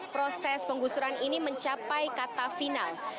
proses penggusuran ini mencapai kata final